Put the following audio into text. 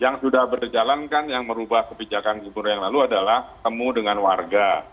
yang sudah berjalankan yang merubah kebijakan gubernur yang lalu adalah temu dengan warga